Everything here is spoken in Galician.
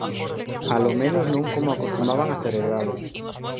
Alomenos non como acostumaban a celebralos.